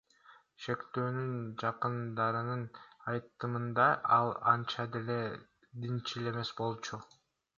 Шектүүнүн жакындарынын айтымында, ал анча деле динчил эмес болчу.